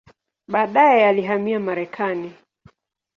Baadaye alihamia Marekani.